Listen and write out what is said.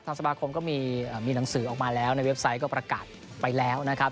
สมาคมก็มีหนังสือออกมาแล้วในเว็บไซต์ก็ประกาศไปแล้วนะครับ